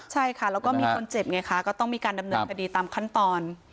ใช่ค่ะแล้วก็มีคนเจ็บไงคะก็ต้องมีการดำเนินคดีตามขั้นตอน